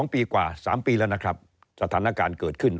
๒ปีกว่า๓ปีแล้วนะครับสถานการณ์เกิดขึ้น